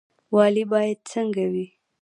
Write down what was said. والي باید څنګه وي؟